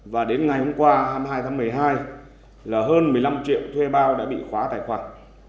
và đến ngày hôm qua hai mươi hai tháng một mươi hai là hơn một mươi năm triệu thuê bao đã bị khóa tài khoản